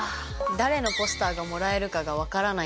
誰のポスターがもらえるかが分からないんですね。